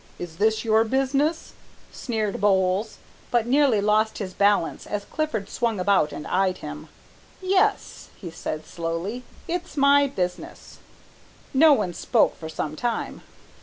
Is this your business?" sneered Bowles, but nearly lost his balance as Clifford swung about and eyed him. "Yes," he said slowly, "it's my business." No one spoke for some time.